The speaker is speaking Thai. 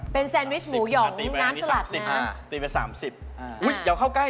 เป็นแซนวิชหมูหยองน้ำสลัดนะตีไป๓๐อุ๊ยอย่าเข้าใกล้